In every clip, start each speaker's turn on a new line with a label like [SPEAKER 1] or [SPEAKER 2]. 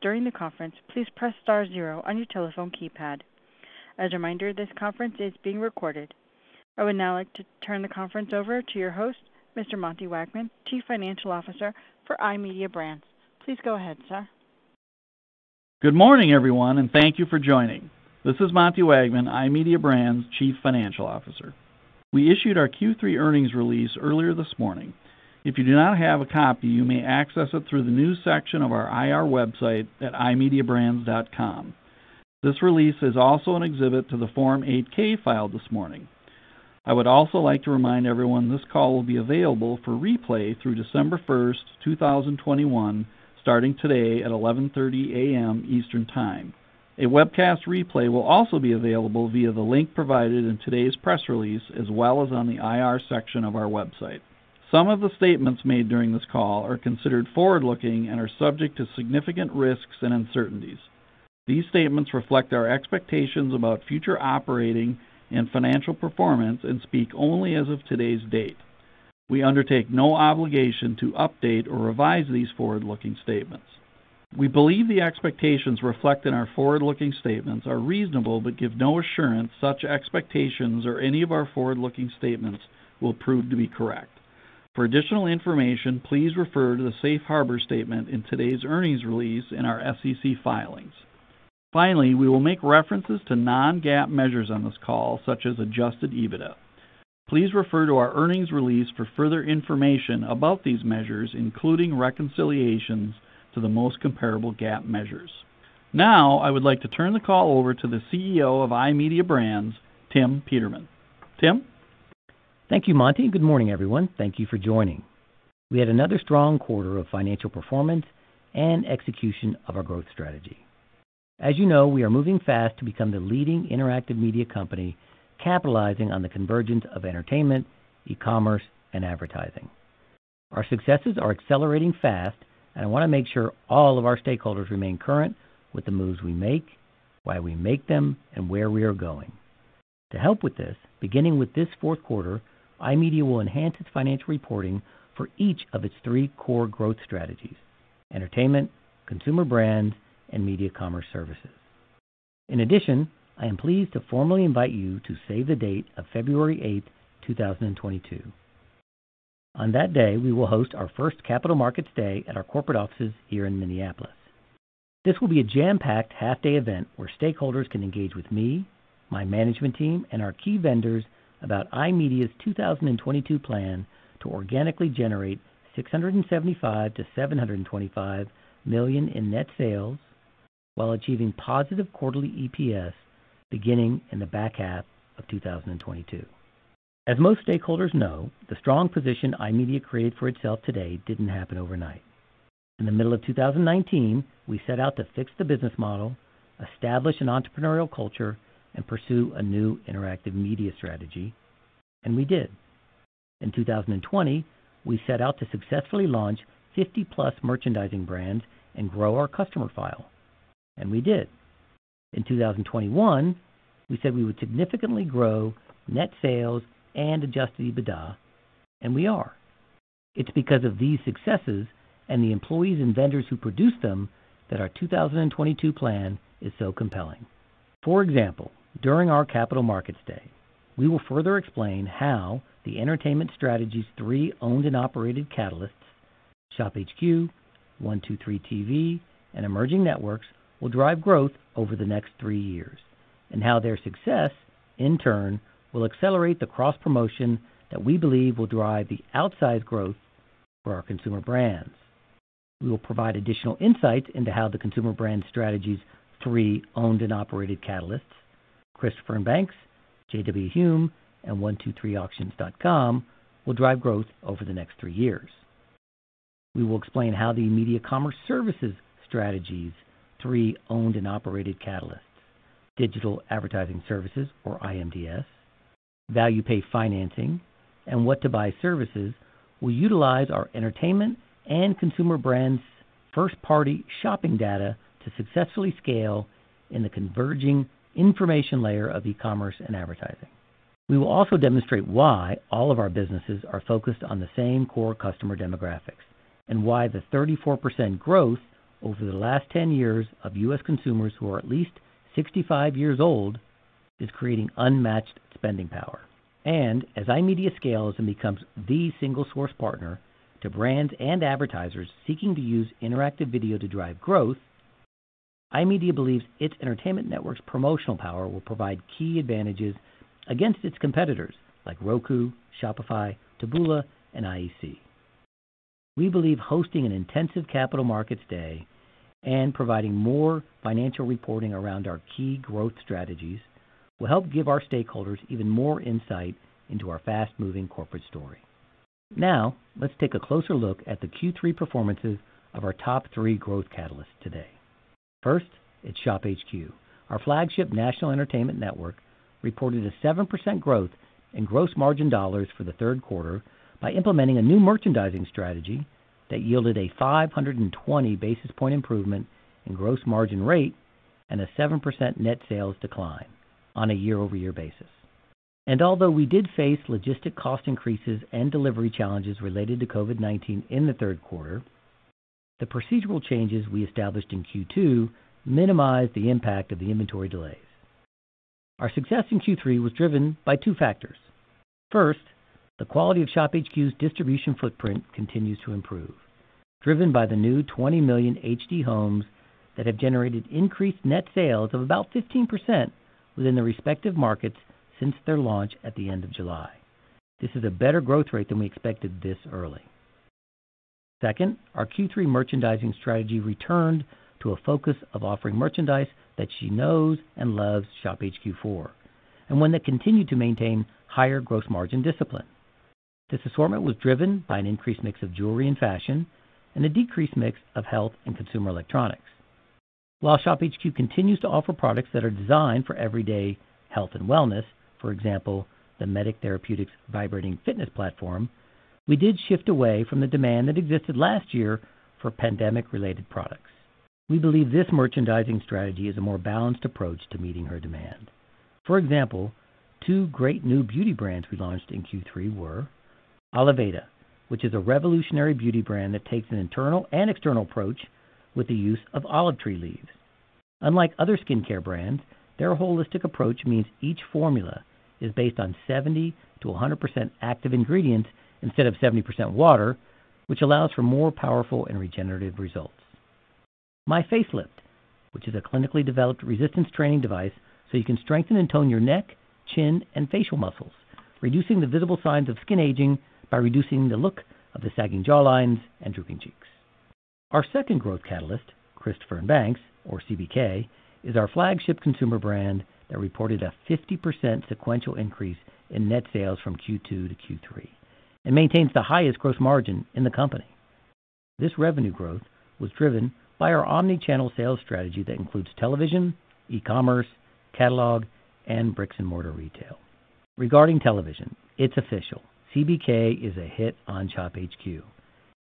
[SPEAKER 1] During the conference, please press star zero on your telephone keypad. As a reminder, this conference is being recorded. I would now like to turn the conference over to your host, Mr. Monty Wageman, Chief Financial Officer for iMedia Brands. Please go ahead, sir.
[SPEAKER 2] Good morning, everyone, and thank you for joining. This is Monty Wageman, iMedia Brands Chief Financial Officer. We issued our Q3 earnings release earlier this morning. If you do not have a copy, you may access it through the news section of our IR website at imediabrands.com. This release is also an exhibit to the Form 8-K filed this morning. I would also like to remind everyone this call will be available for replay through December 1, 2021 starting today at 11:30 A.M. Eastern Time. A webcast replay will also be available via the link provided in today's press release as well as on the IR section of our website. Some of the statements made during this call are considered forward-looking and are subject to significant risks and uncertainties. These statements reflect our expectations about future operating and financial performance and speak only as of today's date. We undertake no obligation to update or revise these forward-looking statements. We believe the expectations reflected in our forward-looking statements are reasonable, but give no assurance such expectations or any of our forward-looking statements will prove to be correct. For additional information, please refer to the Safe Harbor statement in today's earnings release in our SEC filings. Finally, we will make references to non-GAAP measures on this call, such as Adjusted EBITDA. Please refer to our earnings release for further information about these measures, including reconciliations to the most comparable GAAP measures. Now, I would like to turn the call over to the CEO of iMedia Brands, Tim Peterman. Tim?
[SPEAKER 3] Thank you, Monty, and good morning, everyone. Thank you for joining. We had another strong quarter of financial performance and execution of our growth strategy. As you know, we are moving fast to become the leading interactive media company capitalizing on the convergence of entertainment, e-commerce, and advertising. Our successes are accelerating fast, and I want to make sure all of our stakeholders remain current with the moves we make, why we make them, and where we are going. To help with this, beginning with this fourth quarter, iMedia will enhance its financial reporting for each of its three core growth strategies: entertainment, consumer brands, and media commerce services. In addition, I am pleased to formally invite you to save the date of February 8, 2022. On that day, we will host our first Capital Markets Day at our corporate offices here in Minneapolis. This will be a jam-packed half-day event where stakeholders can engage with me, my management team, and our key vendors about iMedia's 2022 plan to organically generate $675 million-$725 million in net sales while achieving positive quarterly EPS beginning in the back half of 2022. As most stakeholders know, the strong position iMedia created for itself today didn't happen overnight. In the middle of 2019, we set out to fix the business model, establish an entrepreneurial culture, and pursue a new interactive media strategy, and we did. In 2020, we set out to successfully launch 50+ merchandising brands and grow our customer file, and we did. In 2021, we said we would significantly grow net sales and Adjusted EBITDA, and we are. It's because of these successes and the employees and vendors who produce them that our 2022 plan is so compelling. For example, during our Capital Markets Day, we will further explain how the entertainment strategy's three owned and operated catalysts, ShopHQ, 123.tv, and Emerging Networks, will drive growth over the next three years, and how their success, in turn, will accelerate the cross-promotion that we believe will drive the outsized growth for our consumer brands. We will provide additional insights into how the consumer brand strategy's three owned and operated catalysts, Christopher & Banks, J.W. Hulme, and 123 auctions.com, will drive growth over the next three years. We will explain how the Media Commerce Services strategy's three owned and operated catalysts, Digital Advertising Services or IMDS, ValuePay Financing, and What to Buy services, will utilize our entertainment and consumer brands' first-party shopping data to successfully scale in the converging information layer of e-commerce and advertising. We will also demonstrate why all of our businesses are focused on the same core customer demographics and why the 34% growth over the last 10 years of U.S. consumers who are at least 65 years old is creating unmatched spending power. iMedia scales and becomes the single source partner to brands and advertisers seeking to use interactive video to drive growth, iMedia believes its entertainment network's promotional power will provide key advantages against its competitors like Roku, Shopify, Taboola, and IAC. We believe hosting an intensive Capital Markets Day and providing more financial reporting around our key growth strategies will help give our stakeholders even more insight into our fast-moving corporate story. Now, let's take a closer look at the Q3 performances of our top three growth catalysts today. First, it's ShopHQ. Our flagship national entertainment network reported a 7% growth in gross margin dollars for the third quarter by implementing a new merchandising strategy that yielded a 520 basis point improvement in gross margin rate and a 7% net sales decline on a year-over-year basis. Although we did face logistic cost increases and delivery challenges related to COVID-19 in the third quarter, the procedural changes we established in Q2 minimized the impact of the inventory delays. Our success in Q3 was driven by two factors. First, the quality of ShopHQ's distribution footprint continues to improve, driven by the new 20 million HD homes that have generated increased net sales of about 15% within the respective markets since their launch at the end of July. This is a better growth rate than we expected this early. Second, our Q3 merchandising strategy returned to a focus of offering merchandise that she knows and loves ShopHQ for, and one that continued to maintain higher gross margin discipline. This assortment was driven by an increased mix of jewelry and fashion and a decreased mix of health and consumer electronics. While ShopHQ continues to offer products that are designed for everyday health and wellness, for example, the Medic Therapeutics vibrating fitness platform, we did shift away from the demand that existed last year for pandemic-related products. We believe this merchandising strategy is a more balanced approach to meeting her demand. For example, two great new beauty brands we launched in Q3 were Oliveda, which is a revolutionary beauty brand that takes an internal and external approach with the use of olive tree leaves. Unlike other skincare brands, their holistic approach means each formula is based on 70%-100% active ingredients instead of 70% water, which allows for more powerful and regenerative results. My FaceLift, which is a clinically developed resistance training device, so you can strengthen and tone your neck, chin, and facial muscles, reducing the visible signs of skin aging by reducing the look of the sagging jawlines and drooping cheeks. Our second growth catalyst, Christopher & Banks, or CBK, is our flagship consumer brand that reported a 50% sequential increase in net sales from Q2 to Q3 and maintains the highest gross margin in the company. This revenue growth was driven by our omni-channel sales strategy that includes television, e-commerce, catalog, and bricks and mortar retail. Regarding television, it's official, CBK is a hit on ShopHQ.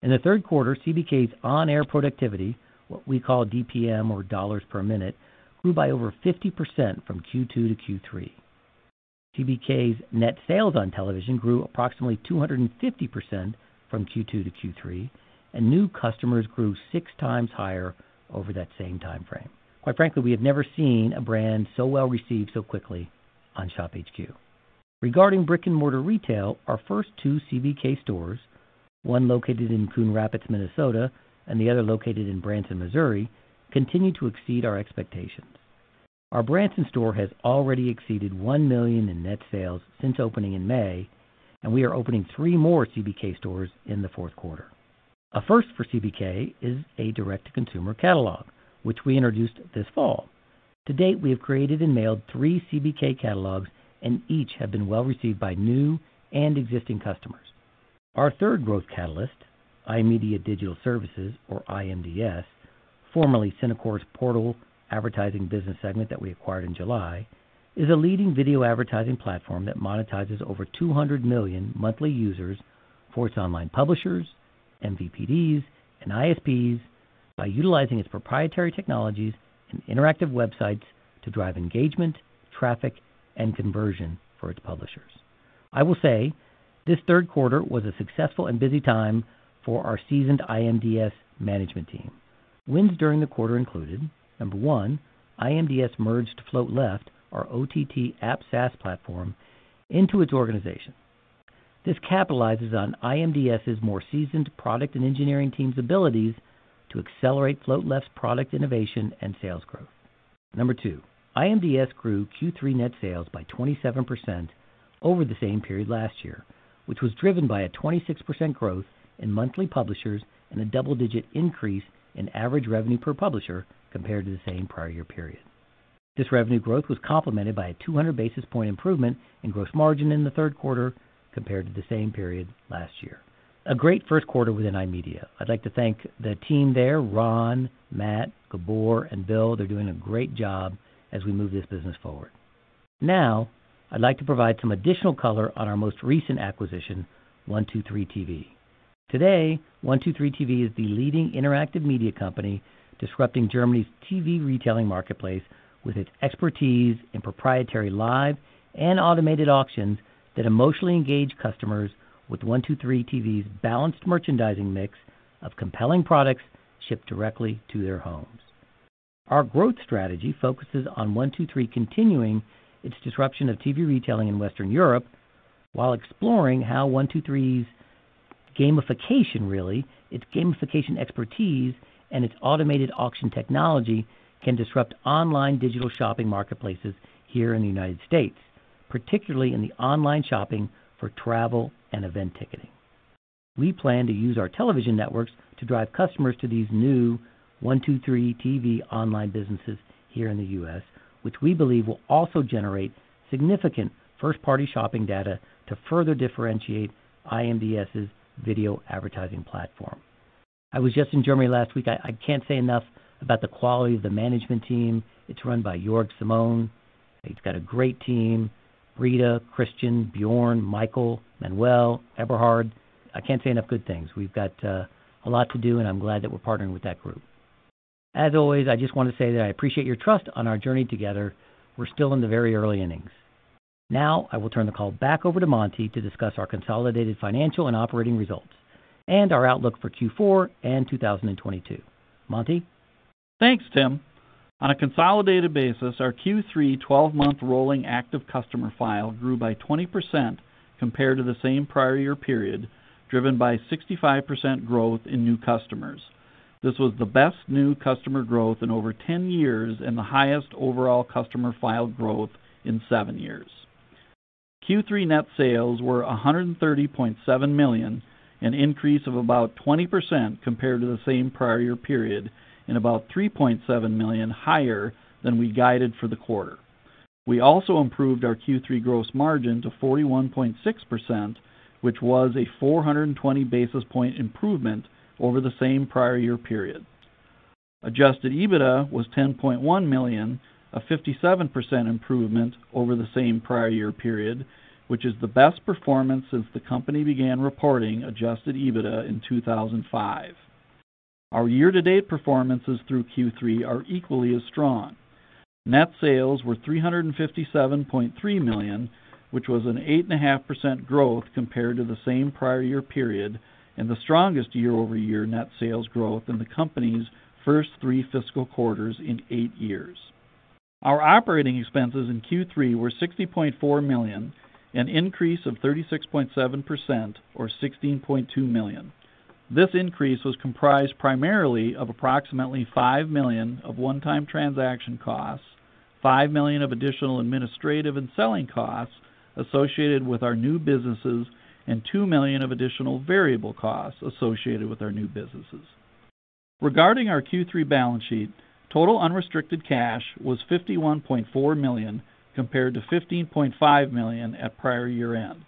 [SPEAKER 3] In the third quarter, CBK's on-air productivity, what we call DPM or dollars per minute, grew by over 50% from Q2 to Q3. CBK's net sales on television grew approximately 250% from Q2 to Q3, and new customers grew 6 times higher over that same time frame. Quite frankly, we have never seen a brand so well received so quickly on ShopHQ. Regarding brick and mortar retail, our first two CBK stores, one located in Coon Rapids, Minnesota, and the other located in Branson, Missouri, continue to exceed our expectations. Our Branson store has already exceeded $1 million in net sales since opening in May, and we are opening three more CBK stores in the fourth quarter. A first for CBK is a direct-to-consumer catalog, which we introduced this fall. To date, we have created and mailed three CBK catalogs, and each have been well-received by new and existing customers. Our third growth catalyst, iMedia Digital Services, or IMDS, formerly Synacor's Portal Advertising Business segment that we acquired in July, is a leading video advertising platform that monetizes over 200 million monthly users for its online publishers, MVPDs, and ISPs by utilizing its proprietary technologies and interactive websites to drive engagement, traffic, and conversion for its publishers. I will say this third quarter was a successful and busy time for our seasoned IMDS management team. Wins during the quarter included, number one, IMDS merged Float Left, our OTT app SaaS platform, into its organization. This capitalizes on IMDS' more seasoned product and engineering team's abilities to accelerate Float Left's product innovation and sales growth. Number two, IMDS grew Q3 net sales by 27% over the same period last year, which was driven by a 26% growth in monthly publishers and a double-digit increase in average revenue per publisher compared to the same prior year period. This revenue growth was complemented by a 200 basis point improvement in gross margin in the third quarter compared to the same period last year. A great first quarter within iMedia. I'd like to thank the team there, Ron, Matt, Gabor, and Bill. They're doing a great job as we move this business forward. Now, I'd like to provide some additional color on our most recent acquisition, 123.tv. Today, 123.tv is the leading interactive media company disrupting Germany's TV retailing marketplace with its expertise in proprietary live and automated auctions that emotionally engage customers with 123.tv's balanced merchandising mix of compelling products shipped directly to their homes. Our growth strategy focuses on 123.tv continuing its disruption of TV retailing in Western Europe while exploring how 123.tv's gamification, really, its gamification expertise and its automated auction technology can disrupt online digital shopping marketplaces here in the United States, particularly in the online shopping for travel and event ticketing. We plan to use our television networks to drive customers to these new 123.tv online businesses here in the U.S., which we believe will also generate significant first-party shopping data to further differentiate IMDS' video advertising platform. I was just in Germany last week. I can't say enough about the quality of the management team. It's run by Jörg Simon. He's got a great team, Rita, Christian, Björn, Michael, Manuel, Eberhard. I can't say enough good things. We've got a lot to do, and I'm glad that we're partnering with that group. As always, I just want to say that I appreciate your trust on our journey together. We're still in the very early innings. Now I will turn the call back over to Monty to discuss our consolidated financial and operating results and our outlook for Q4 and 2022. Monty?
[SPEAKER 2] Thanks, Tim. On a consolidated basis, our Q3 twelve-month rolling active customer file grew by 20% compared to the same prior year period, driven by 65% growth in new customers. This was the best new customer growth in over 10 years and the highest overall customer file growth in seven years. Q3 net sales were $130.7 million, an increase of about 20% compared to the same prior year period, and about $3.7 million higher than we guided for the quarter. We also improved our Q3 gross margin to 41.6%, which was a 420 basis point improvement over the same prior year period. Adjusted EBITDA was $10.1 million, a 57% improvement over the same prior year period, which is the best performance since the company began reporting adjusted EBITDA in 2005. Our year-to-date performances through Q3 are equally as strong. Net sales were $357.3 million, which was an 8.5% growth compared to the same prior year period and the strongest year-over-year net sales growth in the company's first three fiscal quarters in eight years. Our operating expenses in Q3 were $60.4 million, an increase of 36.7% or $16.2 million. This increase was comprised primarily of approximately $5 million of one-time transaction costs, $5 million of additional administrative and selling costs associated with our new businesses, and $2 million of additional variable costs associated with our new businesses. Regarding our Q3 balance sheet, total unrestricted cash was $51.4 million, compared to $15.5 million at prior year-end.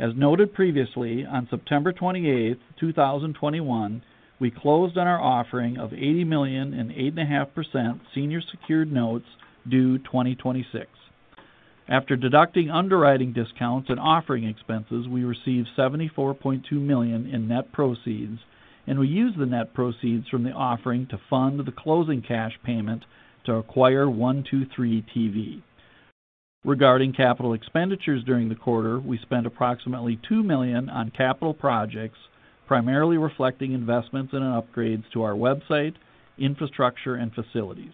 [SPEAKER 2] As noted previously, on September 28, 2021, we closed on our offering of $80 million in 8.5% senior secured notes due 2026. After deducting underwriting discounts and offering expenses, we received $74.2 million in net proceeds, and we used the net proceeds from the offering to fund the closing cash payment to acquire 123.tv. Regarding capital expenditures during the quarter, we spent approximately $2 million on capital projects, primarily reflecting investments and upgrades to our website, infrastructure, and facilities.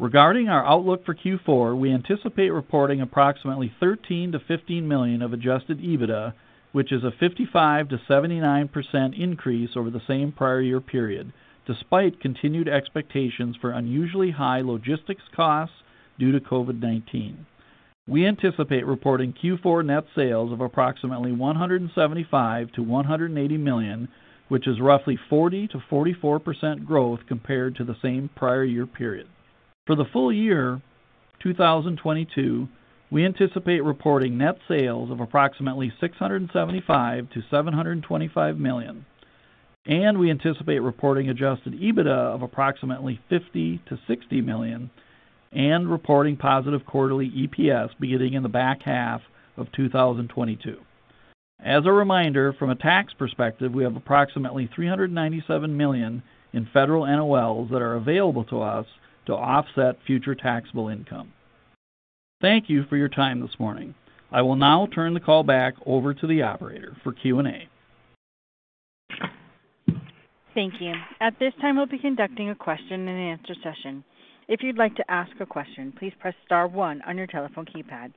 [SPEAKER 2] Regarding our outlook for Q4, we anticipate reporting approximately $13 million-$15 million of Adjusted EBITDA, which is a 55%-79% increase over the same prior year period, despite continued expectations for unusually high logistics costs due to COVID-19. We anticipate reporting Q4 net sales of approximately $175 million-$180 million, which is roughly 40%-44% growth compared to the same prior year period. For the full year 2022, we anticipate reporting net sales of approximately $675 million-$725 million, and we anticipate reporting Adjusted EBITDA of approximately $50 million-$60 million and reporting positive quarterly EPS beginning in the back half of 2022. As a reminder, from a tax perspective, we have approximately $397 million in federal NOLs that are available to us to offset future taxable income. Thank you for your time this morning. I will now turn the call back over to the operator for Q&A.
[SPEAKER 1] Thank you. At this time, we'll be conducting a question and answer session. If you'd like to ask a question, please press star one on your telephone keypad.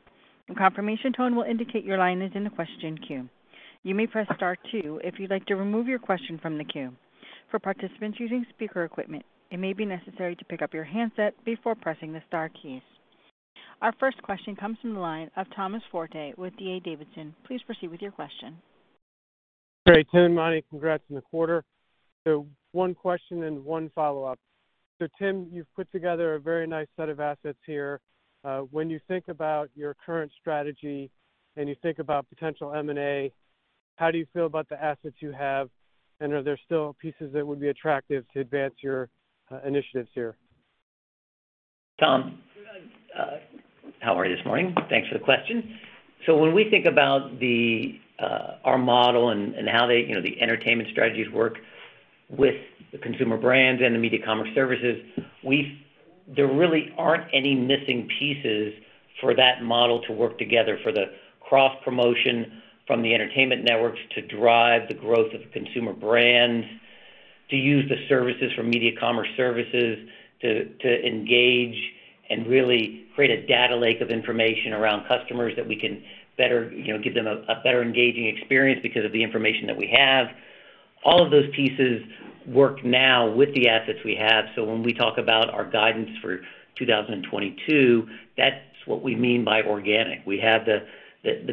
[SPEAKER 1] A confirmation tone will indicate your line is in the question queue. You may press star two if you'd like to remove your question from the queue. For participants using speaker equipment, it may be necessary to pick up your handset before pressing the star keys. Our first question comes from the line of Thomas Forte with D.A. Davidson. Please proceed with your question.
[SPEAKER 4] Great. Tim, Monty, congrats on the quarter. One question and one follow-up. Tim, you've put together a very nice set of assets here. When you think about your current strategy and you think about potential M&A, how do you feel about the assets you have? And are there still pieces that would be attractive to advance your initiatives here?
[SPEAKER 3] Tom, how are you this morning? Thanks for the question. When we think about our model and how they, you know, the entertainment strategies work with the consumer brands and the media commerce services, there really aren't any missing pieces for that model to work together for the cross-promotion from the entertainment networks to drive the growth of consumer brands, to use the services from Media Commerce Services to engage and really create a data lake of information around customers that we can better, you know, give them a better engaging experience because of the information that we have. All of those pieces work now with the assets we have. When we talk about our guidance for 2022, that's what we mean by organic. We have the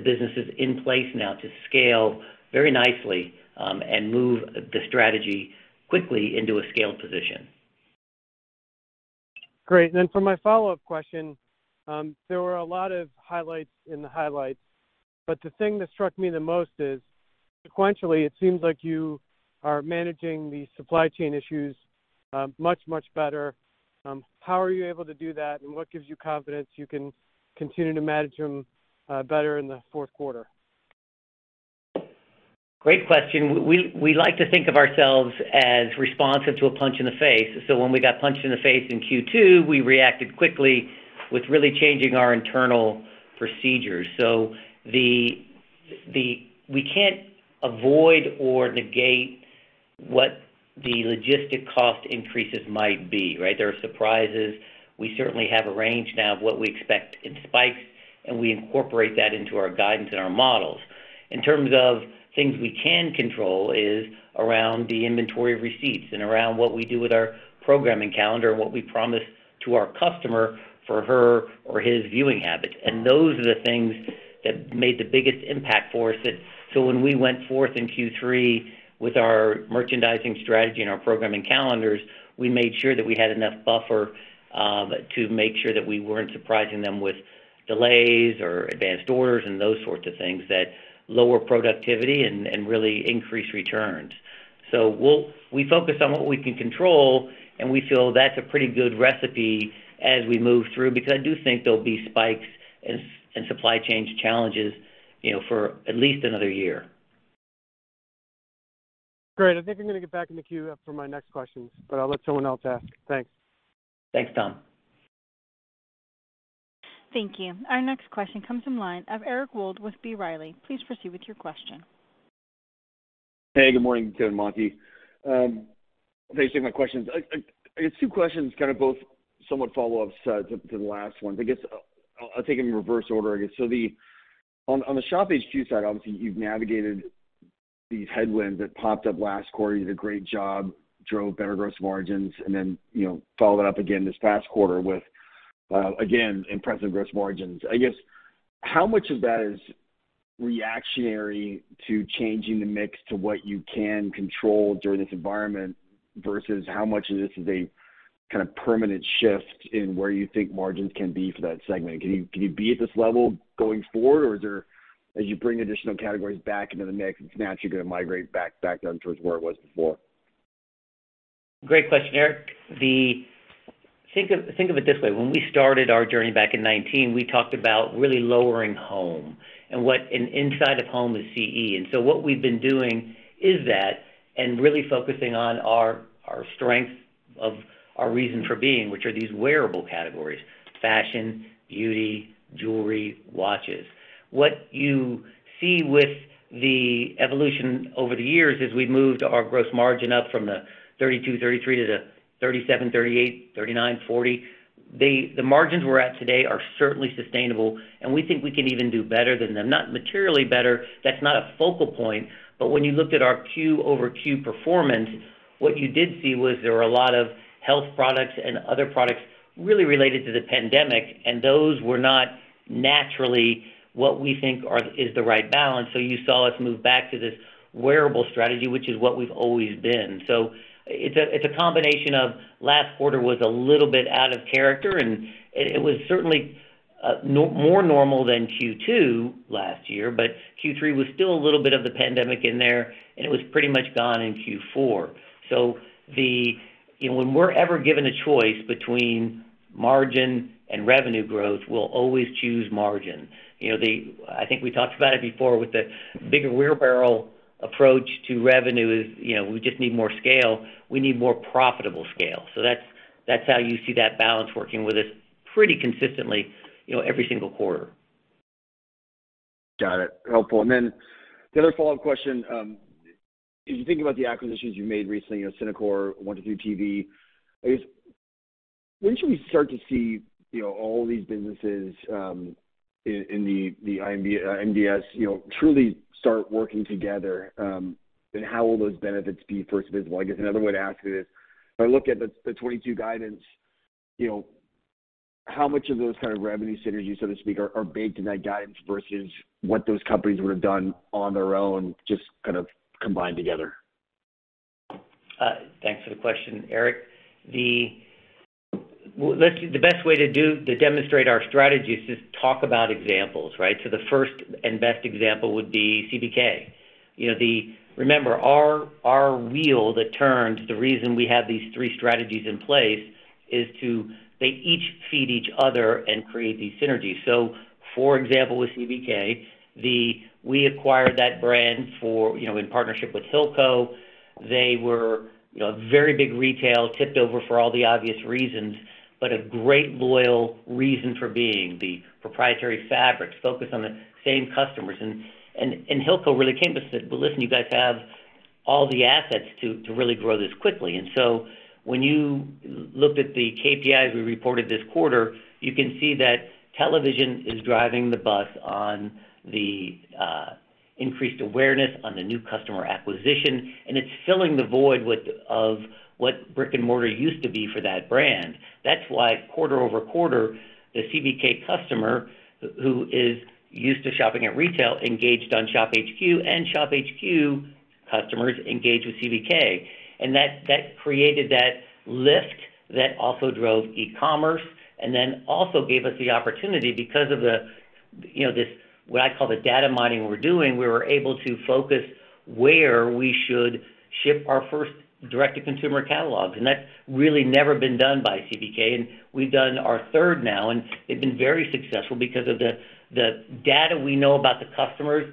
[SPEAKER 3] businesses in place now to scale very nicely, and move the strategy quickly into a scaled position.
[SPEAKER 4] Great. For my follow-up question, there were a lot of highlights in the highlights, but the thing that struck me the most is, sequentially, it seems like you are managing the supply chain issues, much, much better. How are you able to do that, and what gives you confidence you can continue to manage them, better in the fourth quarter?
[SPEAKER 3] Great question. We like to think of ourselves as responsive to a punch in the face. When we got punched in the face in Q2, we reacted quickly with really changing our internal procedures. We can't avoid or negate what the logistic cost increases might be, right? There are surprises. We certainly have a range now of what we expect in spikes, and we incorporate that into our guidance and our models. In terms of things we can control is around the inventory of receipts and around what we do with our programming calendar and what we promise to our customer for her or his viewing habits. Those are the things that made the biggest impact for us. So when we went forth in Q3 with our merchandising strategy and our programming calendars, we made sure that we had enough buffer to make sure that we weren't surprising them with delays or advanced orders and those sorts of things that lower productivity and really increase returns. So we focus on what we can control, and we feel that's a pretty good recipe as we move through, because I do think there'll be spikes and supply chain challenges, you know, for at least another year.
[SPEAKER 4] Great. I think I'm gonna get back in the queue for my next questions, but I'll let someone else ask. Thanks.
[SPEAKER 3] Thanks, Tom.
[SPEAKER 1] Thank you. Our next question comes from the line of Eric Wold with B. Riley. Please proceed with your question.
[SPEAKER 5] Hey, good morning to you, Monty. Thanks for taking my questions. I got two questions, kind of both somewhat follow-ups to the last one. I guess I'll take them in reverse order, I guess. On the ShopHQ side, obviously, you've navigated these headwinds that popped up last quarter. You did a great job, drove better gross margins, and then, you know, followed up again this past quarter with again, impressive gross margins. I guess how much of that is reactionary to changing the mix to what you can control during this environment versus how much of this is a kinda permanent shift in where you think margins can be for that segment? Can you be at this level going forward, or is there, as you bring additional categories back into the mix, it's naturally gonna migrate back down towards where it was before?
[SPEAKER 3] Great question, Eric. Think of it this way: when we started our journey back in 2019, we talked about really lowering home and what in inside of home is CE. What we've been doing is that and really focusing on our strength of our reason for being, which are these wearable categories: fashion, beauty, jewelry, watches. What you see with the evolution over the years as we've moved our gross margin up from 32%-33% to 37%-40%. The margins we're at today are certainly sustainable, and we think we can even do better than them. Not materially better, that's not a focal point, but when you looked at our Q-over-Q performance, what you did see was there were a lot of health products and other products really related to the pandemic, and those were not naturally what we think are the right balance. You saw us move back to this wearable strategy, which is what we've always been. It's a combination of last quarter was a little bit out of character, and it was certainly more normal than Q2 last year, but Q3 was still a little bit of the pandemic in there, and it was pretty much gone in Q4. You know, when we're ever given a choice between margin and revenue growth, we'll always choose margin. I think we talked about it before with the bigger rear barrel approach to revenue is, you know, we just need more scale. We need more profitable scale. That's how you see that balance working with us pretty consistently, you know, every single quarter.
[SPEAKER 5] Got it. Helpful. The other follow-up question, as you think about the acquisitions you've made recently, you know, Synacor, 123.tv, I guess when should we start to see, you know, all these businesses, in the MDS, you know, truly start working together, and how will those benefits be first visible? I guess another way to ask it is, if I look at the 2022 guidance, you know, how much of those kind of revenue synergies, so to speak, are baked in that guidance versus what those companies would have done on their own just kind of combined together?
[SPEAKER 3] Thanks for the question, Eric. Well, the best way to demonstrate our strategy is just to talk about examples, right? The first and best example would be Christopher & Banks. You know, remember our wheel that turns. The reason we have these three strategies in place is they each feed each other and create these synergies. For example, with Christopher & Banks, we acquired that brand in partnership with Hilco. They were a very big retailer that tipped over for all the obvious reasons, but a great loyal brand, the proprietary fabrics focused on the same customers. Hilco really came to us and said, "Well, listen, you guys have all the assets to really grow this quickly." When you look at the KPIs we reported this quarter, you can see that television is driving the bus on the increased awareness on the new customer acquisition, and it's filling the void of what brick-and-mortar used to be for that brand. That's why quarter-over-quarter, the CBK customer, who is used to shopping at retail, engaged on ShopHQ, and ShopHQ customers engage with CBK. That created that lift that also drove e-commerce and then also gave us the opportunity because of the you know this what I call the data mining we're doing, we were able to focus where we should ship our first direct-to-consumer catalog. That's really never been done by CBK. We've done our third now, and they've been very successful because of the data we know about the customers.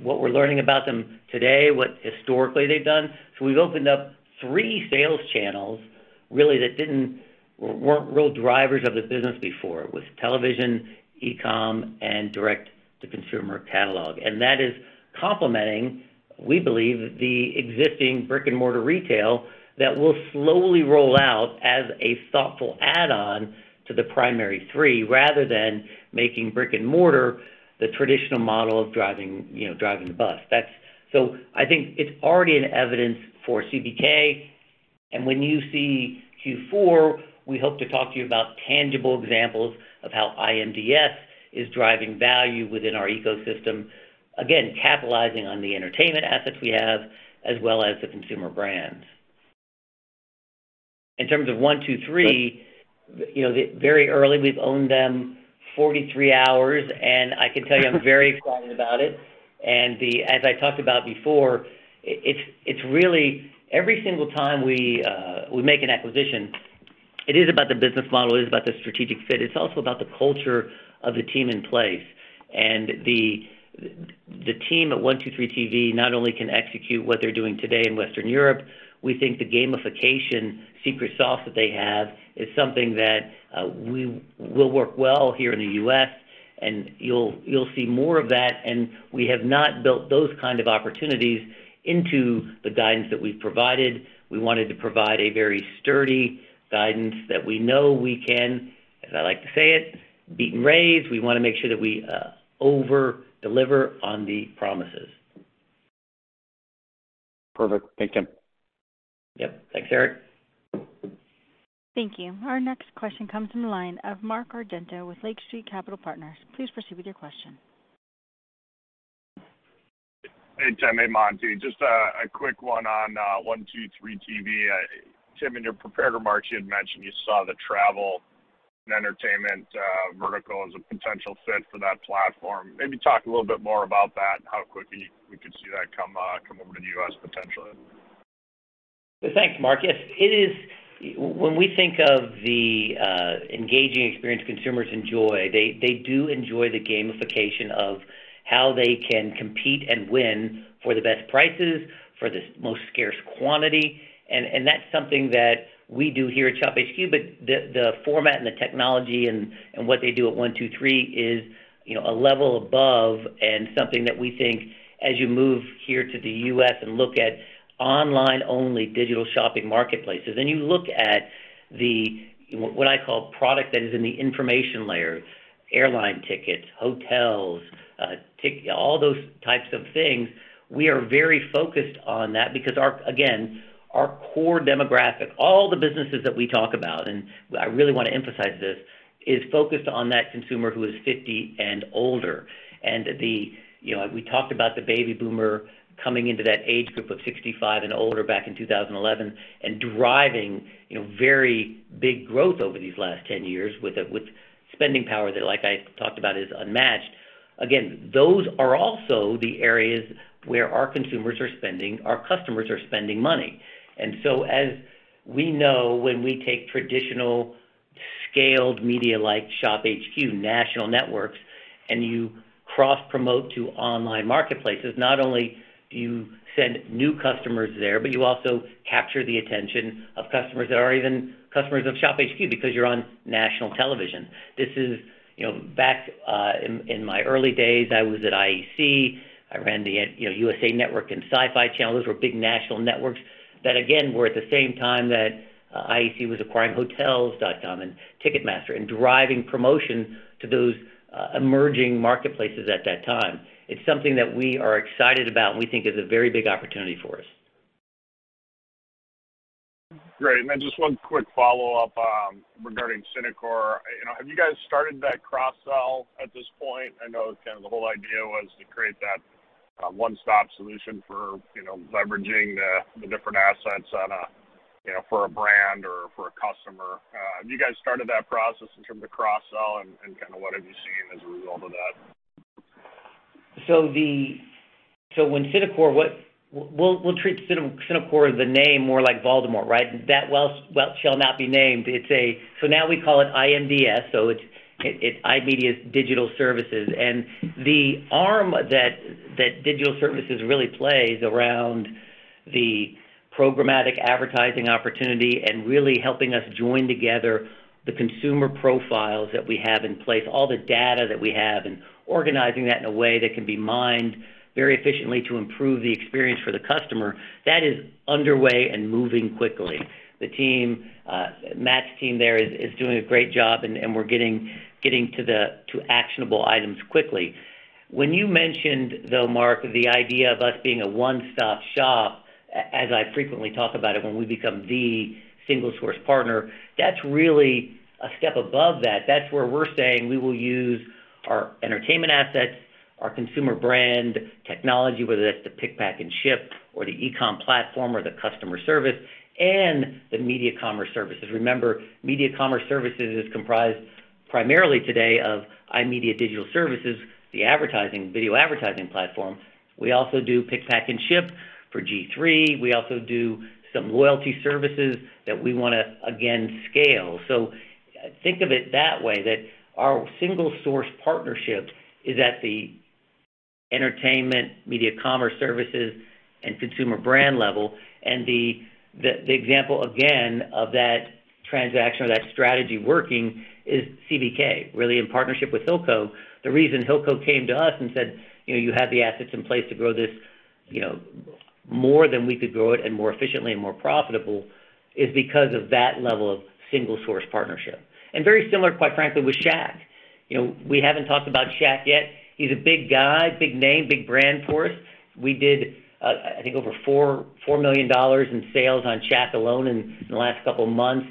[SPEAKER 3] What we're learning about them today, what historically they've done. We've opened up three sales channels really that weren't real drivers of the business before. It was television, e-com, and direct-to-consumer catalog. That is complementing, we believe, the existing brick-and-mortar retail that will slowly roll out as a thoughtful add-on to the primary three, rather than making brick-and-mortar the traditional model of driving, you know, driving the bus. I think it's already in evidence for CBK. When you see Q4, we hope to talk to you about tangible examples of how IMDS is driving value within our ecosystem, again, capitalizing on the entertainment assets we have, as well as the consumer brands. In terms of 123.tv, you know, very early, we've owned them 43 hours, and I can tell you I'm very excited about it. As I talked about before, it's really every single time we make an acquisition, it is about the business model, it is about the strategic fit. It's also about the culture of the team in place. The team at 123.tv not only can execute what they're doing today in Western Europe, we think the gamification secret sauce that they have is something that will work well here in the U.S., and you'll see more of that. We have not built those kind of opportunities into the guidance that we've provided. We wanted to provide a very sturdy guidance that we know we can, as I like to say it, beat and raise. We wanna make sure that we over-deliver on the promises.
[SPEAKER 5] Perfect. Thank you.
[SPEAKER 3] Yep. Thanks, Eric.
[SPEAKER 1] Thank you. Our next question comes from the line of Mark Argento with Lake Street Capital Markets. Please proceed with your question.
[SPEAKER 6] Hey, Tim. Hey, Monty. Just a quick one on 123.tv. Tim, in your prepared remarks, you mentioned you saw the travel and entertainment vertical as a potential fit for that platform. Maybe talk a little bit more about that and how quickly we could see that come over to the U.S. potentially.
[SPEAKER 3] Thanks, Mark. Yes, it is. When we think of the engaging experience consumers enjoy, they do enjoy the gamification of how they can compete and win for the best prices, for the most scarce quantity. That's something that we do here at ShopHQ, but the format and the technology and what they do at one, two, three is, you know, a level above and something that we think as you move here to the U.S. and look at online-only digital shopping marketplaces. Then you look at the what I call product that is in the information layer, airline tickets, hotels, tickets, all those types of things. We are very focused on that because our core demographic, all the businesses that we talk about, and I really wanna emphasize this, is focused on that consumer who is 50 and older. You know, we talked about the baby boomer coming into that age group of 65 and older back in 2011 and driving, you know, very big growth over these last 10 years with spending power that, like I talked about, is unmatched. Again, those are also the areas where our consumers are spending, our customers are spending money. As we know, when we take traditional scaled media like ShopHQ, national networks, and you cross-promote to online marketplaces, not only do you send new customers there, but you also capture the attention of customers that are even customers of ShopHQ because you're on national television. This is, you know, back in my early days. I was at IAC. I ran the, you know, USA Network and Syfy. Those were big national networks that again, were at the same time that, IAC was acquiring hotels.com and Ticketmaster and driving promotion to those, emerging marketplaces at that time. It's something that we are excited about, and we think is a very big opportunity for us.
[SPEAKER 6] Great. Just one quick follow-up regarding Synacor. You know, have you guys started that cross-sell at this point? I know kind of the whole idea was to create that one-stop solution for, you know, leveraging the different assets on a, you know, for a brand or for a customer. Have you guys started that process in terms of cross-sell and kind of what have you seen as a result of that?
[SPEAKER 3] We'll treat Synacor as a name more like Voldemort, right? That shall not be named. Now we call it IMDS, so it's iMedia Digital Services. The arm that digital services really plays around the programmatic advertising opportunity and really helping us join together the consumer profiles that we have in place, all the data that we have, and organizing that in a way that can be mined very efficiently to improve the experience for the customer, that is underway and moving quickly. The team, Matt's team there, is doing a great job, and we're getting to actionable items quickly. When you mentioned, though, Mark, the idea of us being a one-stop shop, as I frequently talk about it, when we become the single source partner, that's really a step above that. That's where we're saying we will use our entertainment assets, our consumer brand technology, whether that's the pick, pack, and ship or the e-com platform or the customer service and the media commerce services. Remember, media commerce services is comprised primarily today of iMedia Digital Services, the advertising, video advertising platform. We also do pick, pack, and ship for G3. We also do some loyalty services that we wanna again scale. Think of it that way, that our single source partnership is at the entertainment, media commerce services, and consumer brand level. The example again of that transaction or that strategy working is Christopher & Banks, really in partnership with Hilco. The reason Hilco came to us and said, you know, you have the assets in place to grow this, you know, more than we could grow it and more efficiently and more profitable, is because of that level of single source partnership. Very similar, quite frankly, with Shaq. You know, we haven't talked about Shaq yet. He's a big guy, big name, big brand for us. We did, I think, over $4 million in sales on Shaq alone in the last couple of months.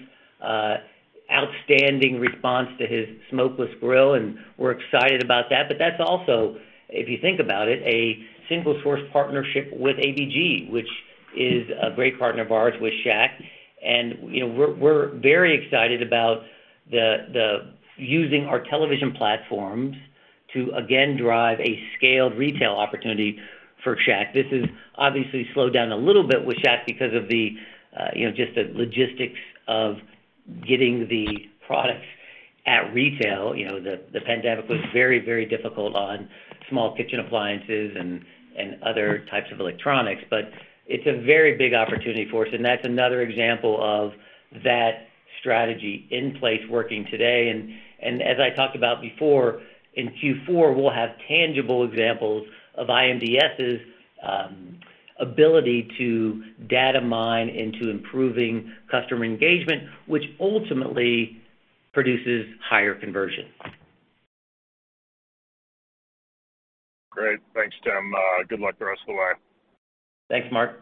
[SPEAKER 3] Outstanding response to his smokeless grill, and we're excited about that. That's also, if you think about it, a single source partnership with ABG, which is a great partner of ours with Shaq. You know, we're very excited about the using our television platforms to again drive a scaled retail opportunity for Shaq. This has obviously slowed down a little bit with Shaq because of the, you know, just the logistics of getting the products at retail. You know, the pandemic was very difficult on small kitchen appliances and other types of electronics. It's a very big opportunity for us, and that's another example of that strategy in place working today. As I talked about before, in Q4, we'll have tangible examples of IMDS's ability to data mine into improving customer engagement, which ultimately produces higher conversion.
[SPEAKER 6] Great. Thanks, Tim. Good luck the rest of the way.
[SPEAKER 3] Thanks, Mark.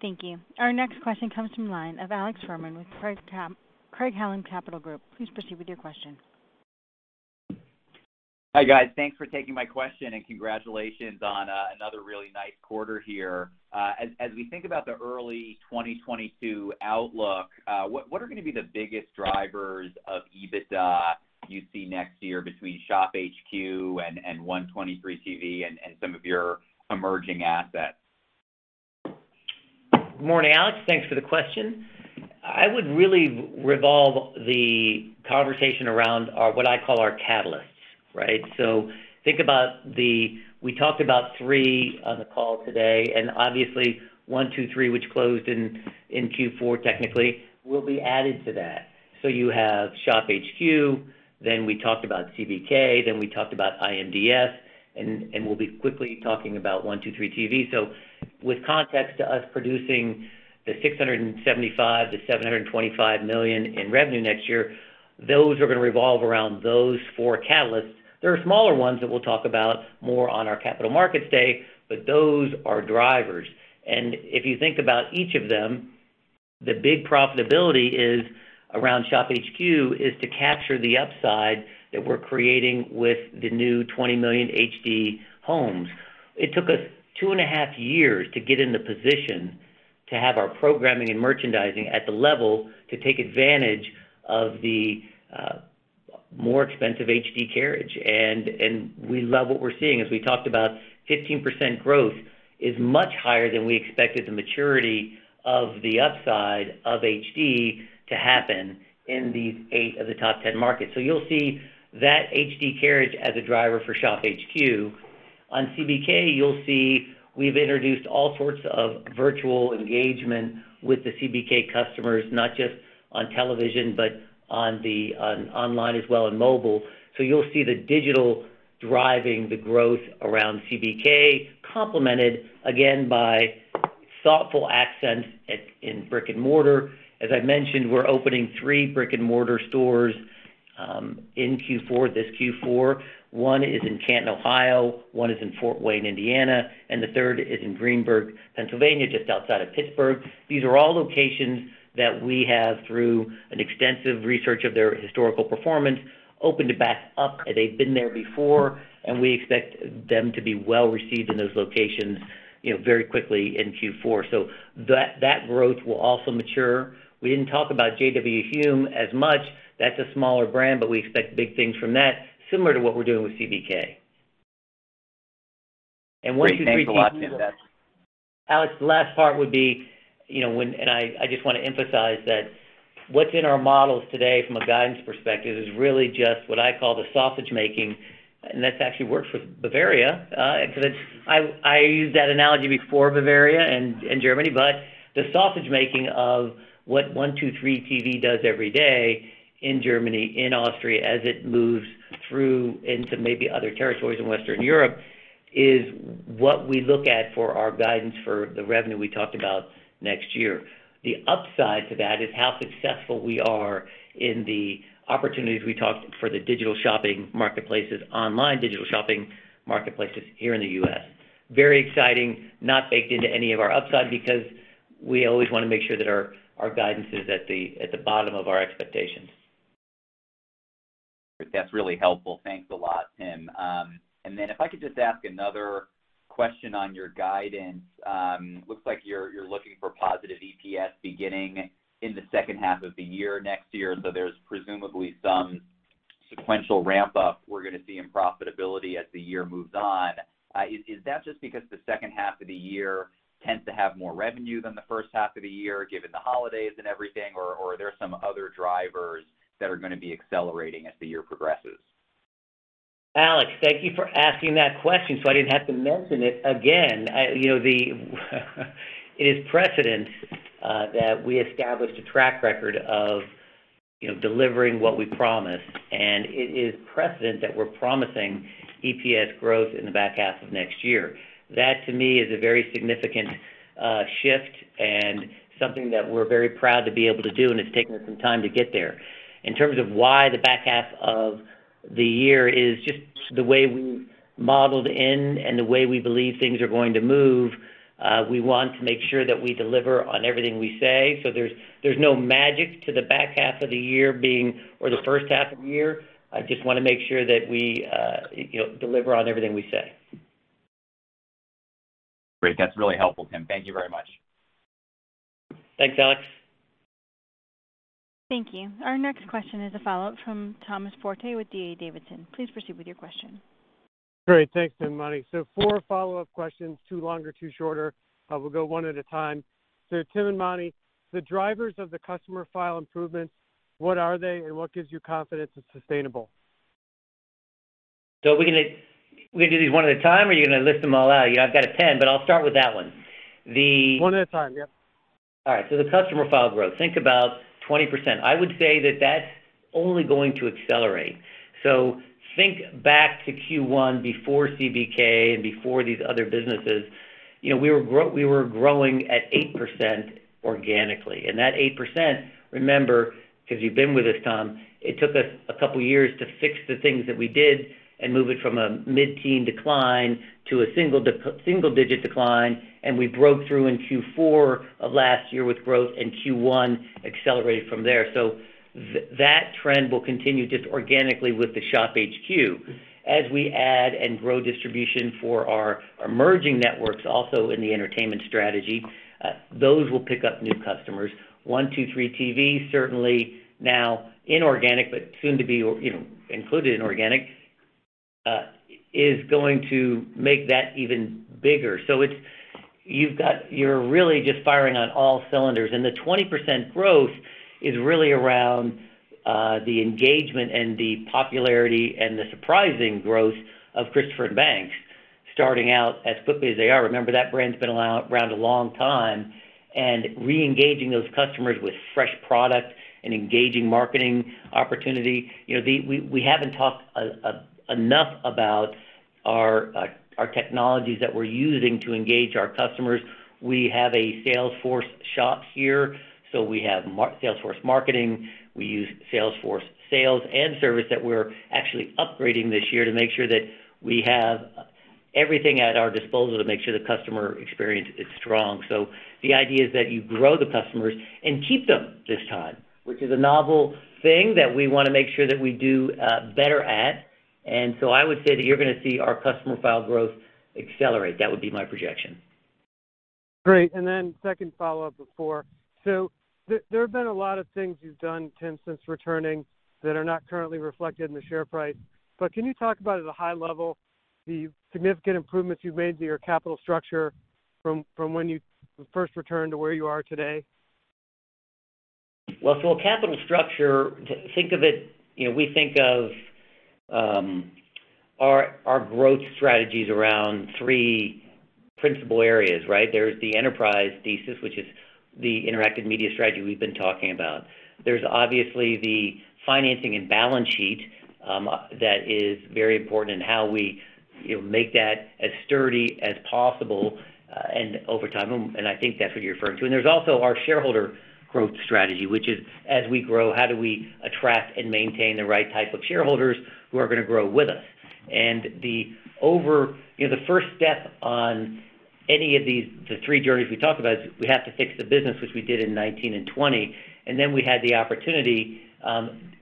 [SPEAKER 1] Thank you. Our next question comes from the line of Alex Fuhrman with Craig-Hallum Capital Group. Please proceed with your question.
[SPEAKER 7] Hi, guys. Thanks for taking my question, and congratulations on another really nice quarter here. As we think about the early 2022 outlook, what are gonna be the biggest drivers of EBITDA you see next year between ShopHQ and 123TV and some of your emerging assets?
[SPEAKER 3] Good morning, Alex. Thanks for the question. I would really revolve the conversation around our what I call our catalysts, right? Think about the. We talked about three on the call today, and obviously 123.tv, which closed in Q4 technically, will be added to that. You have ShopHQ, then we talked about CBK, then we talked about IMDS, and we'll be quickly talking about 123.tv. With context to us producing the $675 million-$725 million in revenue next year, those are gonna revolve around those four catalysts. There are smaller ones that we'll talk about more on our Capital Markets Day, but those are drivers. If you think about each of them, the big profitability is around ShopHQ is to capture the upside that we're creating with the new 20 million HD homes. It took us two and a half years to get in the position to have our programming and merchandising at the level to take advantage of the more expensive HD carriage. We love what we're seeing. As we talked about, 15% growth is much higher than we expected the maturity of the upside of HD to happen in these eight of the top 10 markets. You'll see that HD carriage as a driver for ShopHQ. On CBK, you'll see we've introduced all sorts of virtual engagement with the CBK customers, not just on television, but on online as well and mobile. You'll see the digital driving the growth around CBK, complemented again by thoughtful investments in brick-and-mortar. As I mentioned, we're opening three brick-and-mortar stores in Q4, this Q4. One is in Canton, Ohio, one is in Fort Wayne, Indiana, and the third is in Greensburg, Pennsylvania, just outside of Pittsburgh. These are all locations that we have through an extensive research of their historical performance, opened back up. They've been there before, and we expect them to be well received in those locations, you know, very quickly in Q4. That growth will also mature. We didn't talk about J.W. Hulme as much. That's a smaller brand, but we expect big things from that, similar to what we're doing with Christopher & Banks.
[SPEAKER 7] Great. Thanks a lot, Tim.
[SPEAKER 3] Alex, the last part would be, you know, I just wanna emphasize that what's in our models today from a guidance perspective is really just what I call the sausage making, and that's actually works with Bavaria, 'cause it's. I used that analogy before Bavaria in Germany. The sausage making of what 123TV does every day in Germany, in Austria as it moves through into maybe other territories in Western Europe is what we look at for our guidance for the revenue we talked about next year. The upside to that is how successful we are in the opportunities we talked for the digital shopping marketplaces online, digital shopping marketplaces here in the U.S. Very exciting, not baked into any of our upside because we always wanna make sure that our guidance is at the bottom of our expectations.
[SPEAKER 7] That's really helpful. Thanks a lot, Tim. If I could just ask another question on your guidance. Looks like you're looking for positive EPS beginning in the second half of the year next year, so there's presumably some sequential ramp up we're gonna see in profitability as the year moves on. Is that just because the second half of the year tends to have more revenue than the first half of the year, given the holidays and everything, or are there some other drivers that are gonna be accelerating as the year progresses?
[SPEAKER 3] Alex, thank you for asking that question, so I didn't have to mention it again. You know, that it is precedent that we established a track record of, you know, delivering what we promised, and it is precedent that we're promising EPS growth in the back half of next year. That, to me, is a very significant shift and something that we're very proud to be able to do, and it's taken us some time to get there. In terms of why the back half of the year is just the way we modeled in and the way we believe things are going to move, we want to make sure that we deliver on everything we say. There's no magic to the back half of the year being or the first half of the year. I just wanna make sure that we, you know, deliver on everything we say.
[SPEAKER 7] Great. That's really helpful, Tim. Thank you very much.
[SPEAKER 3] Thanks, Alex.
[SPEAKER 1] Thank you. Our next question is a follow-up from Thomas Forte with D.A. Davidson. Please proceed with your question.
[SPEAKER 4] Great. Thanks, Monty. Four follow-up questions, two longer, two shorter. We'll go one at a time. Tim and Monty, the drivers of the customer file improvements, what are they and what gives you confidence it's sustainable?
[SPEAKER 3] We're gonna do these one at a time or you're gonna list them all out? You know, I've got a 10, but I'll start with that one.
[SPEAKER 4] One at a time. Yep.
[SPEAKER 3] All right. The customer file growth. Think about 20%. I would say that that's only going to accelerate. Think back to Q1 before Christopher & Banks and before these other businesses. You know, we were growing at 8% organically. That 8%, remember, 'cause you've been with us, Tom, it took us a couple of years to fix the things that we did and move it from a mid-teen decline to a single-digit decline, and we broke through in Q4 of last year with growth, and Q1 accelerated from there. That trend will continue just organically with the ShopHQ. As we add and grow distribution for our Emerging Networks also in the entertainment strategy, those will pick up new customers. 123.tv certainly now inorganic, but soon to be or, you know, included in organic, is going to make that even bigger. It's you've got you're really just firing on all cylinders. The 20% growth is really around the engagement and the popularity and the surprising growth of Christopher & Banks starting out as quickly as they are. Remember, that brand's been around a long time and re-engaging those customers with fresh product and engaging marketing opportunity. You know, we haven't talked enough about our technologies that we're using to engage our customers. We have a Salesforce shop here, so we have Salesforce marketing. We use Salesforce sales and service that we're actually upgrading this year to make sure that we have everything at our disposal to make sure the customer experience is strong. The idea is that you grow the customers and keep them this time, which is a novel thing that we wanna make sure that we do better at. I would say that you're gonna see our customer file growth accelerate. That would be my projection.
[SPEAKER 4] Great. Second follow-up of four. There have been a lot of things you've done, Tim, since returning that are not currently reflected in the share price. Can you talk about at a high level the significant improvements you've made to your capital structure from when you first returned to where you are today?
[SPEAKER 3] Capital structure, think of it. You know, we think of our growth strategies around three principal areas, right? There's the enterprise thesis, which is the interactive media strategy we've been talking about. There's obviously the financing and balance sheet that is very important in how we, you know, make that as sturdy as possible and over time. I think that's what you're referring to. There's also our shareholder growth strategy, which is, as we grow, how do we attract and maintain the right type of shareholders who are gonna grow with us. You know, the first step on any of these, the three journeys we talked about is we have to fix the business, which we did in 2019 and 2020. We had the opportunity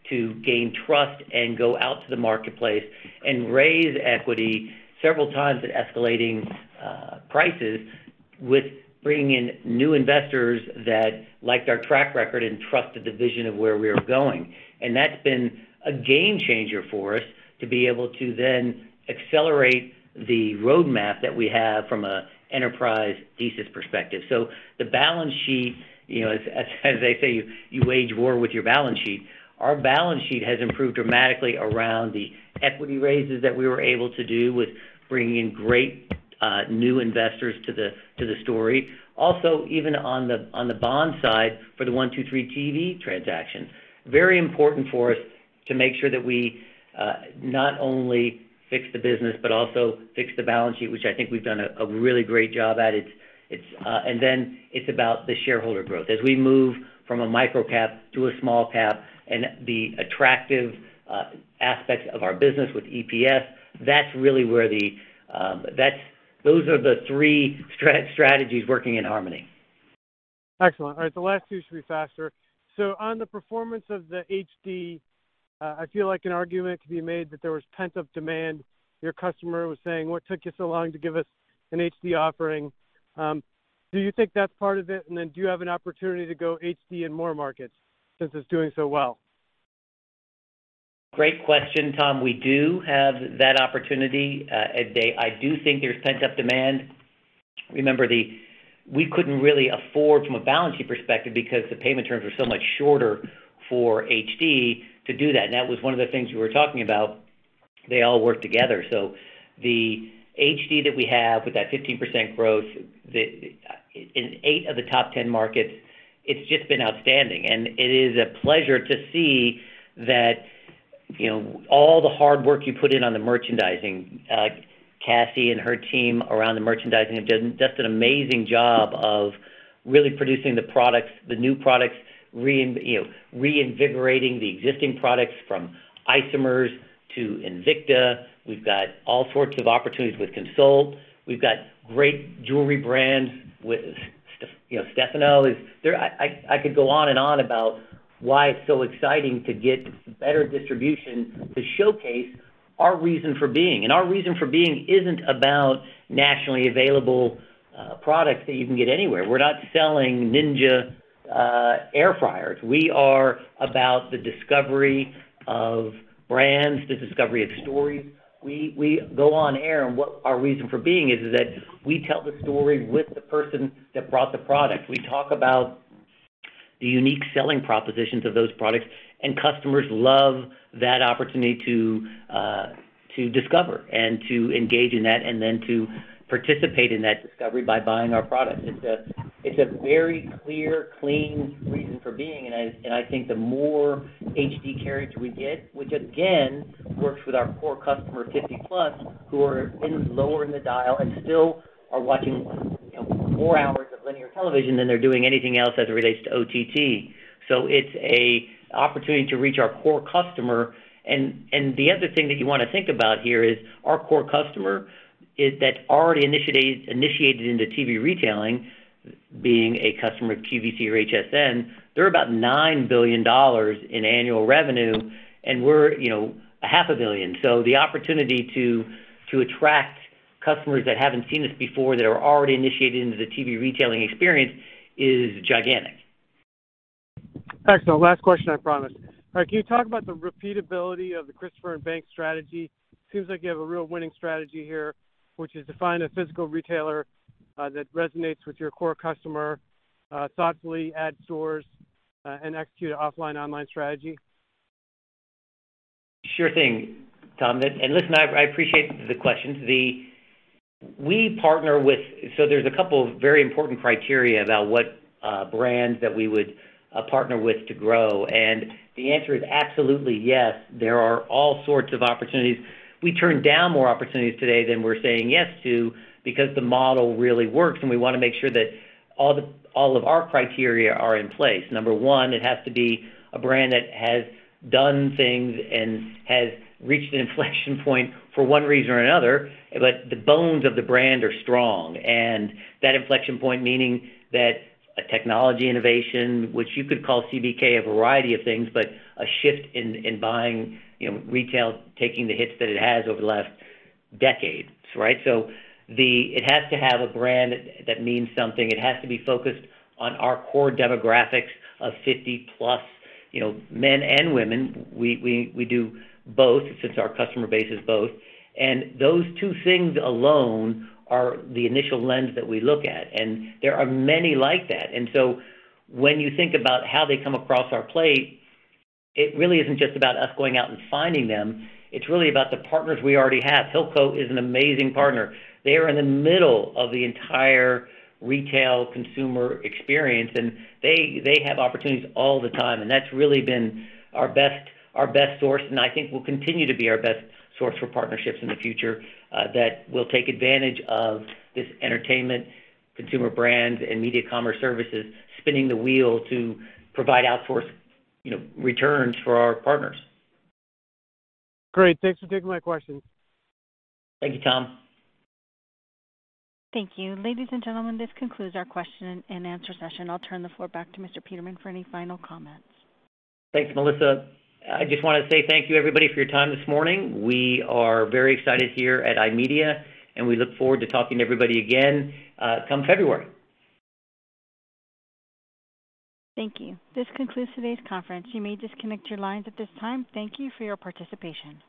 [SPEAKER 3] to gain trust and go out to the marketplace and raise equity several times at escalating prices with bringing in new investors that liked our track record and trusted the vision of where we were going. That's been a game changer for us to be able to then accelerate the roadmap that we have from a enterprise thesis perspective. The balance sheet, you know, as they say, you wage war with your balance sheet. Our balance sheet has improved dramatically around the equity raises that we were able to do with bringing in great new investors to the story. Also, even on the bond side for the 123tv transaction. Very important for us to make sure that we not only fix the business, but also fix the balance sheet, which I think we've done a really great job at it. It's about the shareholder growth. As we move from a micro-cap to a small-cap and the attractive aspects of our business with EPS, that's really where those are the three strategies working in harmony.
[SPEAKER 4] Excellent. All right, the last two should be faster. On the performance of the HD, I feel like an argument could be made that there was pent-up demand. Your customer was saying, "What took you so long to give us an HD offering?" Do you think that's part of it? Do you have an opportunity to go HD in more markets since it's doing so well?
[SPEAKER 3] Great question, Tom. We do have that opportunity. I do think there's pent-up demand. Remember, we couldn't really afford from a balancing perspective because the payment terms were so much shorter for HD to do that. That was one of the things we were talking about. They all work together. The HD that we have with that 15% growth in eight of the top 10 markets, it's just been outstanding. It is a pleasure to see that, you know, all the hard work you put in on the merchandising. Cassie and her team around the merchandising have done just an amazing job of really producing the products, the new products, you know, reinvigorating the existing products from Isomers to Invicta. We've got all sorts of opportunities with Consult. We've got great jewelry brands with, you know, Stefano. I could go on and on about why it's so exciting to get better distribution to showcase our reason for being. Our reason for being isn't about nationally available products that you can get anywhere. We're not selling Ninja air fryers. We are about the discovery of brands, the discovery of stories. We go on air, and what our reason for being is that we tell the story with the person that brought the product. We talk about the unique selling propositions of those products, and customers love that opportunity to discover and to engage in that and then to participate in that discovery by buying our product. It's a very clear, clean reason for being, and I think the more HD carriage we get, which again works with our core customer, 50+, who are lower in the dial and still are watching, you know, more hours of linear television than they're doing anything else as it relates to OTT. It's an opportunity to reach our core customer. The other thing that you wanna think about here is our core customer is that already initiated into TV retailing, being a customer of QVC or HSN, they're about $9 billion in annual revenue, and we're, you know, half a billion. The opportunity to attract customers that haven't seen us before, that are already initiated into the TV retailing experience is gigantic.
[SPEAKER 4] Excellent. Last question, I promise. All right, can you talk about the repeatability of the Christopher & Banks strategy? Seems like you have a real winning strategy here, which is to find a physical retailer that resonates with your core customer, thoughtfully add stores, and execute an offline-online strategy.
[SPEAKER 3] Sure thing, Tom. Listen, I appreciate the questions. We partner with. So there's a couple of very important criteria about what brands that we would partner with to grow, and the answer is absolutely yes. There are all sorts of opportunities. We turn down more opportunities today than we're saying yes to because the model really works, and we wanna make sure that all of our criteria are in place. Number one, it has to be a brand that has done things and has reached an inflection point for one reason or another, but the bones of the brand are strong. That inflection point, meaning that a technology innovation, which you could call CBK, a variety of things, but a shift in buying, you know, retail, taking the hits that it has over the last decades, right? It has to have a brand that means something. It has to be focused on our core demographics of 50-plus, you know, men and women. We do both, since our customer base is both. Those two things alone are the initial lens that we look at. There are many like that. When you think about how they come across our plate, it really isn't just about us going out and finding them. It's really about the partners we already have. Hilco is an amazing partner. They are in the middle of the entire retail consumer experience, and they have opportunities all the time. That's really been our best source, and I think will continue to be our best source for partnerships in the future, that will take advantage of this entertainment, consumer brands and media commerce services, spinning the wheel to provide outsource, you know, returns for our partners.
[SPEAKER 4] Great. Thanks for taking my questions.
[SPEAKER 3] Thank you, Tom.
[SPEAKER 1] Thank you. Ladies and gentlemen, this concludes our question and answer session. I'll turn the floor back to Mr. Peterman for any final comments.
[SPEAKER 3] Thanks, Melissa. I just want to say thank you everybody for your time this morning. We are very excited here at iMedia, and we look forward to talking to everybody again, come February.
[SPEAKER 1] Thank you. This concludes today's conference. You may disconnect your lines at this time. Thank you for your participation.